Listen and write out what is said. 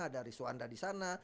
ada risuanda di sana